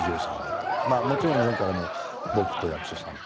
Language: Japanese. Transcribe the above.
まあもちろん日本からも僕と役所さんと。